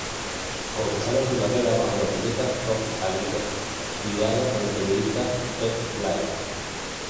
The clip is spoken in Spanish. Comenzaron su carrera bajo la etiqueta "rock agrícola", ideada por el periodista Pep Blay.